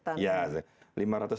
atau waste mungkin kemacetan